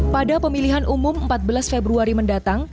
pada pemilihan umum empat belas februari mendatang